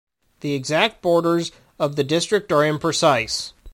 The exact borders of the district are imprecise.